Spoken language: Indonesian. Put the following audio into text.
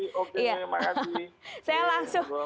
terima kasih terima kasih oke terima kasih